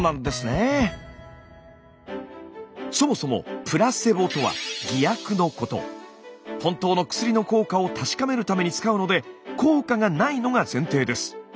本当の薬の効果を確かめるために使うので効果が無いのが前提です。